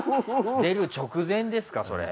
出る直前ですかそれ。